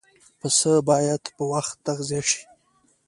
پسه باید په وخت تغذیه شي.